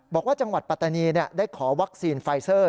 จังหวัดปัตตานีได้ขอวัคซีนไฟเซอร์